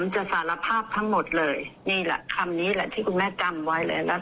จะสารภาพทั้งหมดเลยนี่แหละคำนี้แหละที่คุณแม่จำไว้เลยนะ